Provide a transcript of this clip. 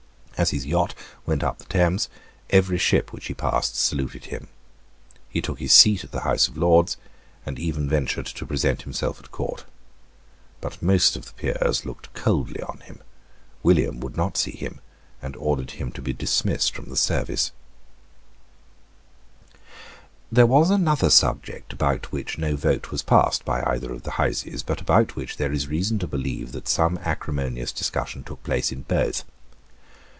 As his yacht went up the Thames, every ship which he passed saluted him. He took his seat in the House of Lords, and even ventured to present himself at court. But most of the peers looked coldly on him; William would not see him, and ordered him to be dismissed from the service, There was another subject about which no vote was passed by either of the Houses, but about which there is reason to believe that some acrimonious discussion took place in both.